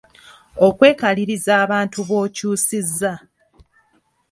Okwekaliriza abantu b’okyusiza